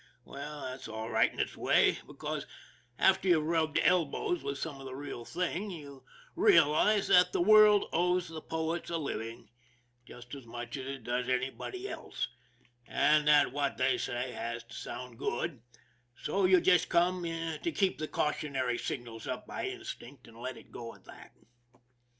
Well, that's all right in its way because, after you've rubbed elbows with some of the real thing, you real ize that the world owes the poets a living just as much 237 238 ON THE IRON AT BIG CLOUD as it does anybody else, and that what they say has to sound good; so you just come to keep the cautionary signals up by instinct, and let it go at that.